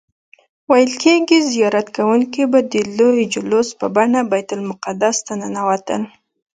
ویل کیږي زیارت کوونکي به د لوی جلوس په بڼه بیت المقدس ته ننوتل.